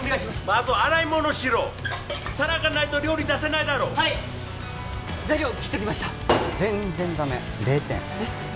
まず洗い物しろ皿がないと料理出せないだろはい材料切っときました全然ダメ０点えっ？